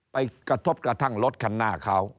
ไปกระทบกระทั่งรถข้างหน้าเขา